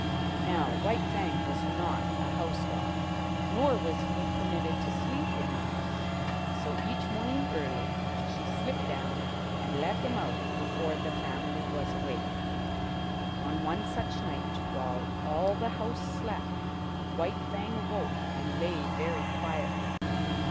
Now White Fang was not a house dog, nor was he permitted to sleep in the house; so each morning, early, she slipped down and let him out before the family was awake. On one such night, while all the house slept, White Fang awoke and lay very quietly.